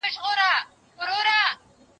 زه هره ورځ د سبا لپاره د ليکلو تمرين کوم!